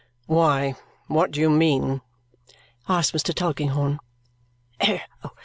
"Why, what do you mean?" asks Mr. Tulkinghorn.